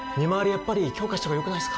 やっぱり強化した方がよくないですか？